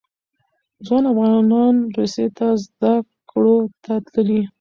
ځوان افغانان روسیې ته زده کړو ته تللي.